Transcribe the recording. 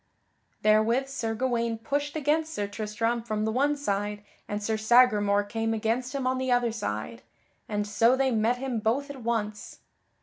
Therewith Sir Gawaine pushed against Sir Tristram from the one side, and Sir Sagramore came against him on the other side, and so they met him both at once.